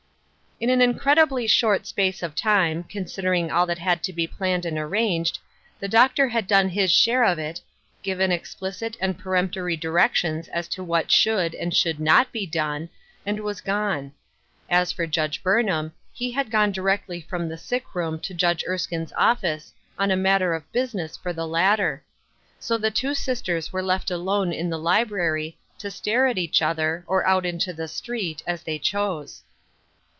In an incredibly short space of time, consider ing all that had to be planned and arranged, the doctor had done his share of it, given explicit and peremptory directions as to what should, and what should not be done, and was gone. As for Judge Burnham, he had gone directly from t]ie sick room to Judge Erskine's office, on a matter of business for the latter. So the two •sistei s were left alone in the library, to stare at each other, or out into the street, as they chose.